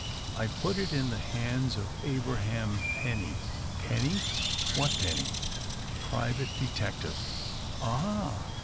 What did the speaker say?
"I've put it in the hands of Abraham Penny." " Penny — what Penny ?"" Private detective." "Ah!"